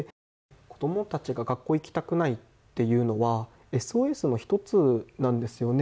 子どもたちが学校行きたくないっていうのはＳＯＳの１つなんですよね。